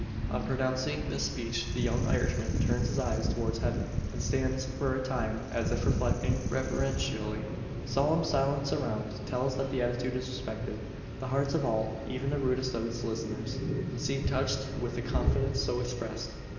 On pronouncing this speech the young Irishman turns his eyes towards Heaven, and stands for a time as if reflecting reverentially. Solemn silence around tells that the attitude is respected. The hearts of all, even the rudest of his listeners, seem touched with the confidence so expressed.